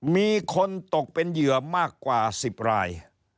มีคนตกเป็นเหยื่อมากกว่า๑๐ราย